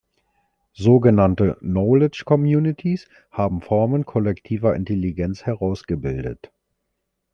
Sogenannte "knowledge communities" haben Formen kollektiver Intelligenz herausgebildet.